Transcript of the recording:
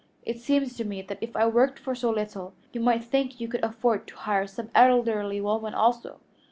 It seems to me that if I worked for so little you might think you could afford to hire some elderly woman also?"